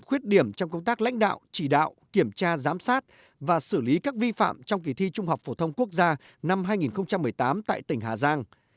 khuyết điểm trong công tác lãnh đạo chỉ đạo kiểm tra giám sát và xử lý các vi phạm trong kỳ thi trung học phổ thông quốc gia năm hai nghìn một mươi tám tại tỉnh hà giang